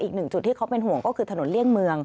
อีกหนึ่งจุดที่เขาเป็นห่วงก็คือถนนเลี่ยงเมือง